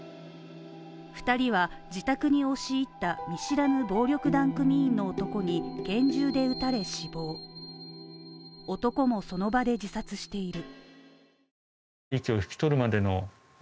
２人は自宅に押し入った見知らぬ暴力団組員の男に拳銃で撃たれ死亡男もその場で自殺している。